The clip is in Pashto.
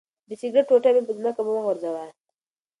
د سګرټ ټوټه په ځمکه مه غورځوئ.